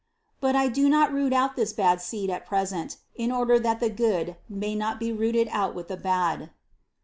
But I do not root out this bad seed at present, in order that the good may not be rooted out with the bad."